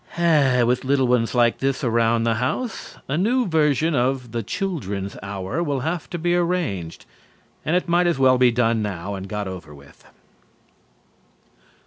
With little ones like this around the house, a new version of "The Children's Hour" will have to be arranged, and it might as well be done now and got over with.